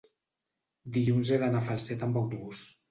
dilluns he d'anar a Falset amb autobús.